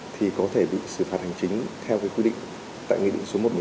thì có thể bị xử phạt hành chính theo quy định tại nghị định số một trăm một mươi